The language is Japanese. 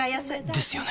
ですよね